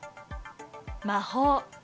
魔法。